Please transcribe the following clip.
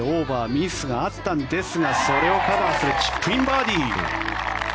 ミスがあったんですがそれをカバーするチップインバーディー。